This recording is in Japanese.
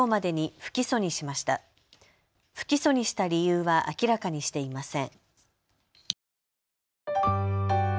不起訴にした理由は明らかにしていません。